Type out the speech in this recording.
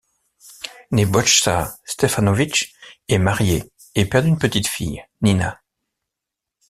Nebojša Stefanović est marié et père d'une petite fille, Nina.